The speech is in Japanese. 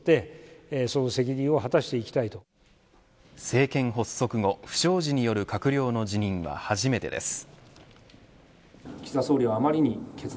政権発足後不祥事による閣僚の辞任は初めてです。